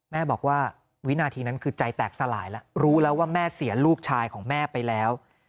แม่บอกว่าวินาทีนั้นคือใจแตกสลายแล้วรู้แล้วว่าแม่เสียลูกชายของแม่ไปแล้ว